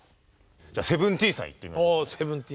じゃあＳＥＶＥＮＴＥＥＮさんいってみましょう。